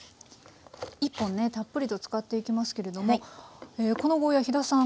１本ねたっぷりと使っていきますけれどもこのゴーヤー飛田さん